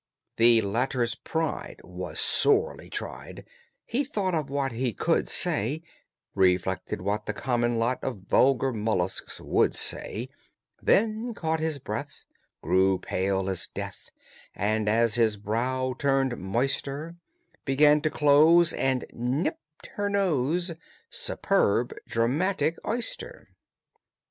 The latter's pride was sorely tried, He thought of what he _could _say, Reflected what the common lot Of vulgar molluscs would say; Then caught his breath, grew pale as death, And, as his brow turned moister, Began to close, and nipped her nose! Superb, dramatic oyster!